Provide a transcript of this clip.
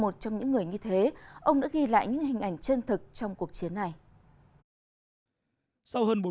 trong những người như thế ông đã ghi lại những hình ảnh chân thực trong cuộc chiến này